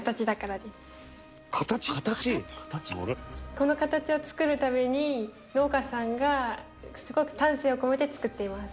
この形を作るために農家さんがすごく丹精を込めて作っています。